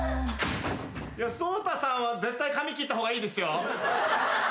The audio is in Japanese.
草太さんは絶対髪切った方がいいですよ。